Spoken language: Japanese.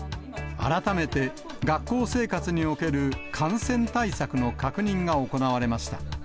改めて、学校生活における感染対策の確認が行われました。